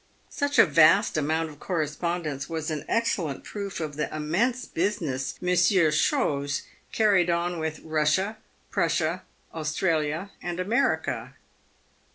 Such a vast amount of correspondence was an excellent proof of the immense business Monsieur Chose carried on with Bussia, Prussia, Australia, and America.